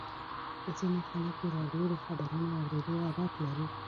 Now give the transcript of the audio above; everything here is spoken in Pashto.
ځینې خلک د راډیو د خبرونو اورېدو عادت لري.